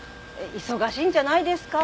忙しいんじゃないですか？